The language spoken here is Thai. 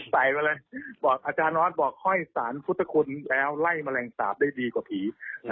ใส่มาเลยบอกอาจารย์ออสบอกห้อยสารพุทธคุณแล้วไล่แมลงสาปได้ดีกว่าผี